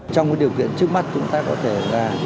trong cái điều kiện trước mắt chúng ta có thể là